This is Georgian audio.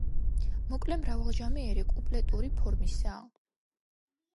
მოკლე მრავალჟამიერი კუპლეტური ფორმისაა.